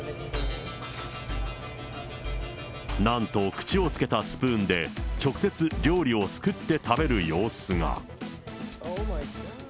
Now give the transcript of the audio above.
なんと口をつけたスプーンで直接、料理をすくって食べる様子が。